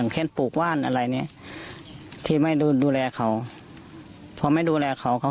เป็นเชื้อ